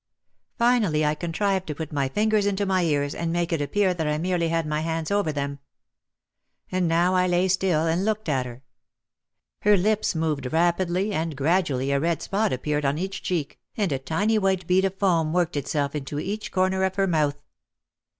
Finally I contrived to put my fingers into my ears and make it appear that I merely had my hands over them. And now I lay still and looked at her. Her lips moved rapidly and gradually a red spot appeared on each cheek, and a tiny white bead of foam worked itself into each corner of her mouth.